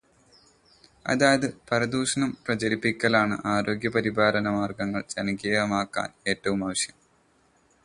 അതായത്, പരദൂഷണം പ്രചരിപ്പിക്കലാണ് ആരോഗ്യപരിപാലനമാർഗങ്ങൾ ജനകീയമാക്കാൻ ഏറ്റവും ആവശ്യം!